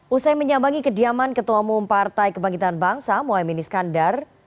usai menyambangi kediaman ketua umum partai kebangkitan bangsa mohaimin iskandar